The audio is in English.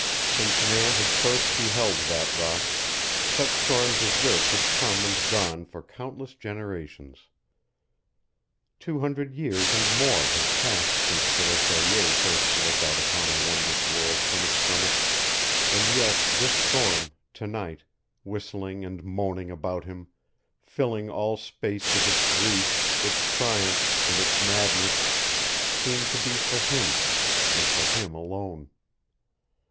Since man had first beheld that rock such storms as this had come and gone for countless generations. Two hundred years and more had passed since Grosellier first looked out upon a wondrous world from its summit. And yet this storm to night whistling and moaning about him, filling all space with its grief, its triumph, and its madness, seemed to be for him and for him alone.